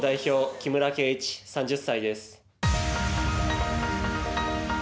木村敬一、３０歳です。